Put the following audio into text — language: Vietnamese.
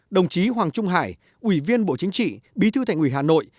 đồng chí hoàng trung hải ủy viên bộ chính trị bí thư thành ủy hà nội